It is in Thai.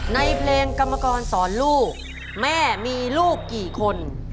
ในเพลงกรรมกรสอนลูกแม่มีลูกกี่คน